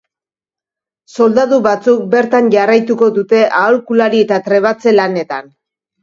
Soldadu batzuk bertan jarraituko dute aholkulari eta trebatze lanetan.